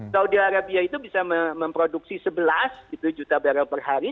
saudi arabia itu bisa memproduksi sebelas juta barrel per hari